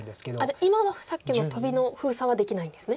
じゃあ今はさっきのトビの封鎖はできないんですね。